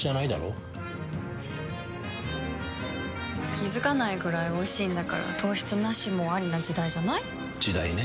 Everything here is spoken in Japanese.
気付かないくらいおいしいんだから糖質ナシもアリな時代じゃない？時代ね。